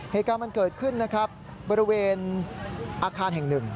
เหตุการณ์มันเกิดขึ้นนะครับบริเวณอาคารแห่งหนึ่ง